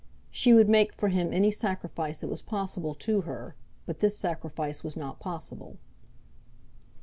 She would make for him any sacrifice that was possible to her, but this sacrifice was not possible.